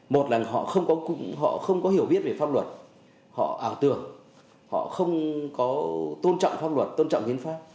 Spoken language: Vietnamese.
một là họ không có hiểu biết về pháp luật họ ảo tưởng họ không có tôn trọng pháp luật tôn trọng hiến pháp